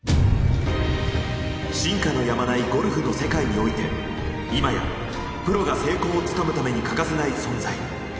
進化のやまないゴルフの世界において今やプロが成功をつかむために欠かせない存在。